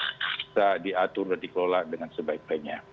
bisa diatur dan dikelola dengan sebaik baiknya